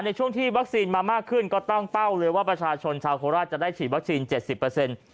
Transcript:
ในช่วงที่วัคซีนมามากขึ้นก็ตั้งเป้าเลยว่าประชาชนชาวโคราชจะได้ฉีดวัคซีนเจ็ดสิบเปอร์เซ็นต์